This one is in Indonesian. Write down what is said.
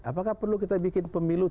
apakah perlu kita bikin pemilu